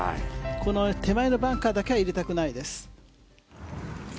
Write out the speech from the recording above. この手前のバンカーだけは入れたくないです。